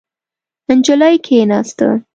نجلۍ کېناسته.